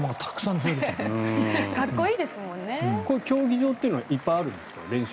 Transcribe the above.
練習場みたいなのはいっぱいあるんですか？